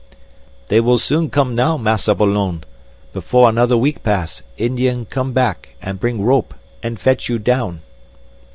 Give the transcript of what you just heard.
"They will soon come now, Massa Malone. Before another week pass Indian come back and bring rope and fetch you down."